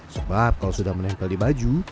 sebab kalau sudah menempel di baju